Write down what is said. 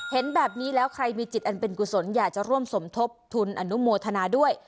เห็นแบบนี้แล้วใครมีจิตอันเป็นกุศลอยากจะร่วมสมทบทุนอนุโมทนาด้วย